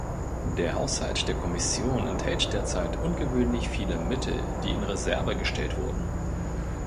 Der Haushalt der Kommission enthält derzeit ungewöhnlich viele Mittel, die in Reserve gestellt wurden.